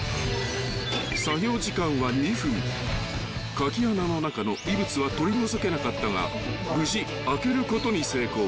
［鍵穴の中の異物は取り除けなかったが無事開けることに成功］